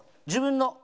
自分の。